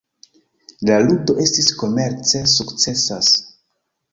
La ludo estis komerce sukcesas.